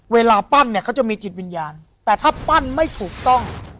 เวลาปั้นเนี่ยเขาจะมีจิตวิญญาณแต่ถ้าปั้นไม่ถูกต้อง